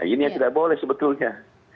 ini yang tidak boleh sebetulnya